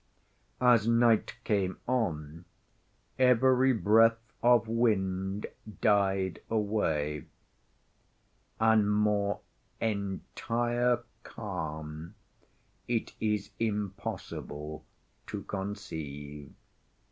As night came on, every breath of wind died away, an more entire calm it is impossible to conceive.